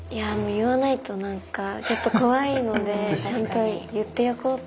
言わないとなんかちょっと怖いのでちゃんと言っておこうってもしそうなった場合は。